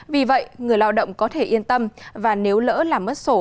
vì vậy người lao động có thể yên tâm và nếu lỡ làm mất sổ